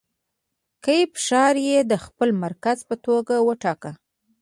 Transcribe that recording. کیف ښاریې د خپل مرکز په توګه وټاکه.